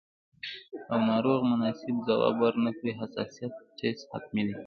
او ناروغ مناسب ځواب ورنکړي، حساسیت ټسټ حتمي دی.